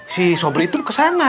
si sobri itu kesana